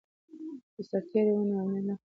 که سرتیری وي نو امنیت نه خرابېږي.